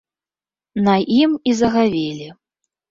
На ім і загавелі.